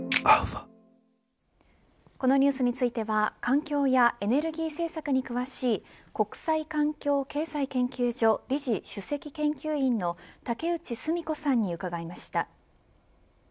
このニュースについては環境やエネルギー政策に詳しい国際環境経済研究所理事主席研究員の竹内純子さんに伺いました。